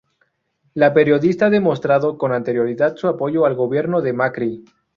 La periodista ha demostrado con anterioridad su apoyo al gobierno de Macri.